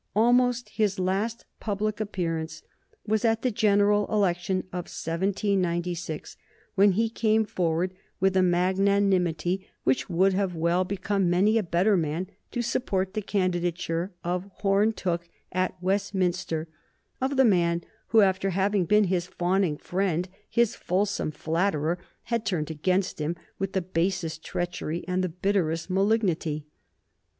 Almost his last public appearance was at the general election of 1796, when he came forward, with a magnanimity which would have well become many a better man, to support the candidature of Horne Tooke at Westminster, of the man who, after having been his fawning friend, his fulsome flatterer, had turned against him with the basest treachery and the bitterest malignity.